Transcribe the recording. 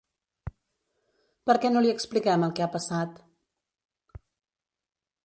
Per què no li expliquem el que ha passat?